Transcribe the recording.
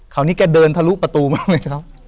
คราวนี้แกเดินทะลุประตูมาเลยครับ